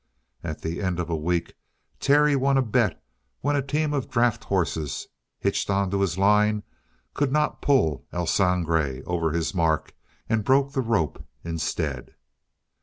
At the end of a week Terry won a bet when a team of draught horses hitched onto his line could not pull El Sangre over his mark, and broke the rope instead.